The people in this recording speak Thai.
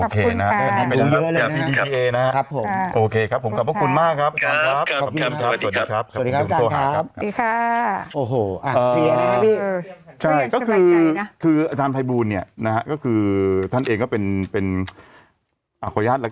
ครับผมโอเคนะครับได้อันนี้ไปแล้วครับครับผมโอเคครับผมขอบคุณมากครับ